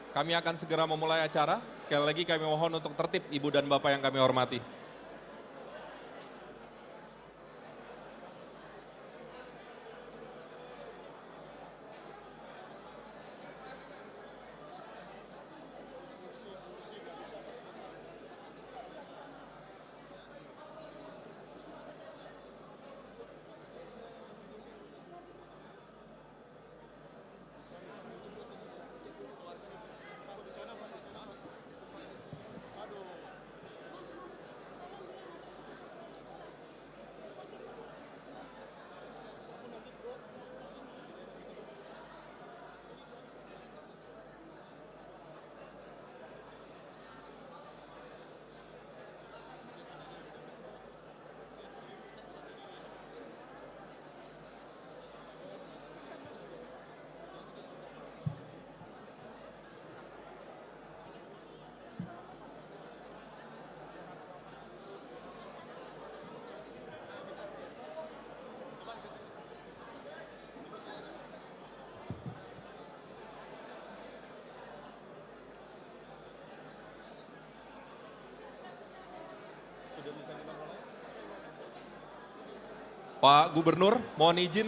kami berkata kata kita tidak menyerah sekalian